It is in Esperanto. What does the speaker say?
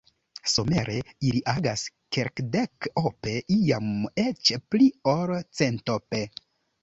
Somere ili agas kelkdek-ope, iam eĉ pli-ol-centope.